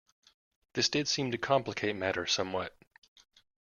This did seem to complicate matters somewhat.